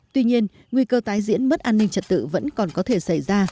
tuy nhiên nguy cơ tái diễn mất an ninh trật tự vẫn còn có thể xảy ra